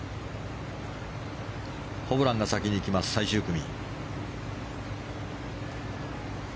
ホブランが先に行きます最終組。